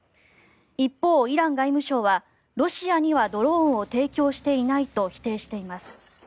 一方、イラン外務省はロシアにはドローンを提供していないと否定しています。